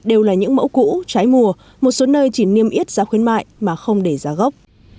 đều là những mẫu cũ trái mùa một số nơi chỉ niêm yết giá khuyến mại mà không để giá gốc